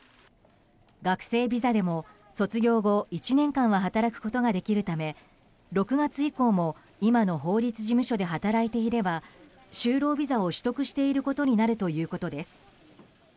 学生ビザでも卒業後１年間は働くことができるため６月以降も今の法律事務所で働いていれば就労ビザを取得していることになるということです。